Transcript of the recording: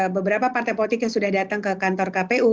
beberapa partai politik yang sudah datang ke kantor kpu